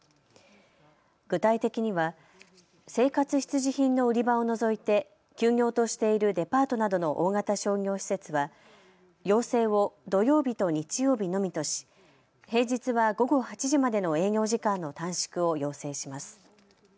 具体的には生活必需品の売り場を除いて休業としているデパートなどの大型商業施設は要請を土曜日と日曜日のみとし、平日は午後８時までの営業時間の短縮を要請します。